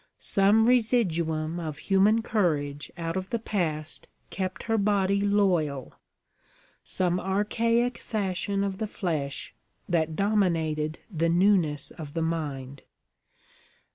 Some residuum of human courage out of the past kept her body loyal some archaic fashion of the flesh that dominated the newness of the mind.